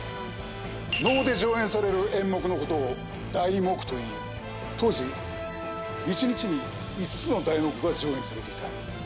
能で上演される演目のことを題目と言い当時１日に５つの題目が上演されていた。